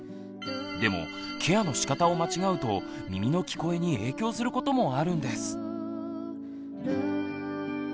でもケアのしかたを間違うと耳の「聞こえ」に影響することもあるんです。